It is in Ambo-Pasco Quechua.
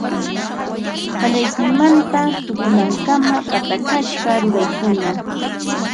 Qallaykuymanta tukunankama patachasqa ruraykuna